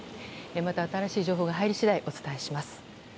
また新しい情報が入り次第お伝えします。